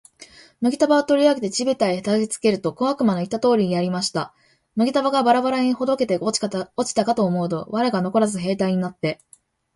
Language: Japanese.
麦束を取り上げて地べたへ叩きつけると、小悪魔の言った通りやりました。麦束がバラバラに解けて落ちたかと思うと、藁がのこらず兵隊になって、